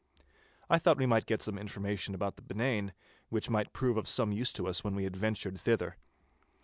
I thought we might get some information about the Benane, which might prove of some use to us when we adventured thither.